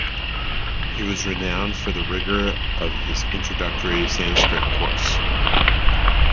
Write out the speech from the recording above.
He was renowned for the rigor of his introductory Sanskrit course.